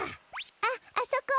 あっあそこ！